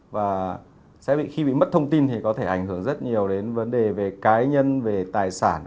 và khi bị mất thông tin thì có thể ảnh hưởng rất nhiều đến vấn đề về cá nhân về tài sản